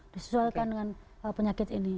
disesuaikan dengan penyakit ini